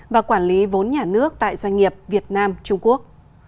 và quản lý vốn nhà nước tại doanh nghiệp việt nam trung quốc